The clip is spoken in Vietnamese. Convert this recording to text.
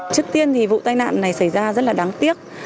trước tiên thì vụ tai nạn này xảy ra rất là đáng tiếc